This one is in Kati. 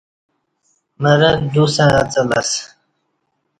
مرں ڈُسݩ اڅلہ اسہ